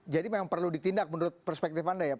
jadi memang perlu ditindak menurut perspektif anda ya